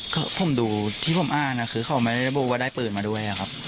ก็ผมดูที่ผมอ่านคือเขาไม่ได้ระบุว่าได้ปืนมาด้วยครับ